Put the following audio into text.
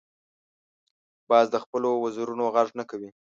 باز د خپلو وزرونو غږ نه کوي